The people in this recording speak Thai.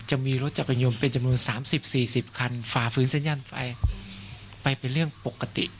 จะมีรถจักรยานยนต์เป็นจำนวน๓๐๔๐คันฝ่าฝืนสัญญาณไฟไปเป็นเรื่องปกติ